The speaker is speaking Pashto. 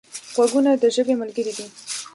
غوږونه د ژبې ملګري دي